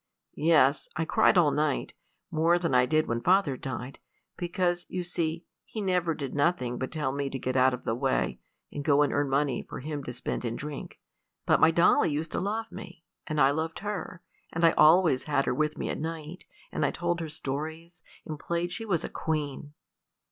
"Yes. I cried all night more than I did when father died, because, you see, he never did nothing but tell me to get out of the way, and go and earn money for him to spend in drink. But my dolly used to love me, and I loved her, and I always had her with me at night, and I told her stories, and played she was a queen."